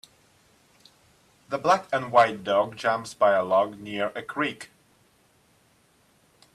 The black and white dog jumps by a log near a creek.